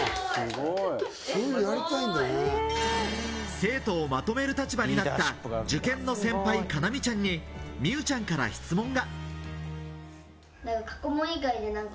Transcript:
生徒をまとめる立場になった受験の先輩・叶望ちゃんに美羽ちゃんから質問が。